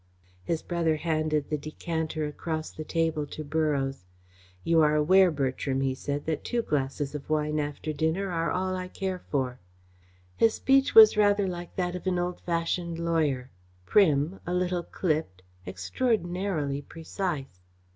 His brother handed the decanter across the table to Borroughes. "You are aware, Bertram," he said, "that two glasses of wine after dinner are all I care for." His speech was rather like that of an old fashioned lawyer prim, a little clipped, extraordinarily precise.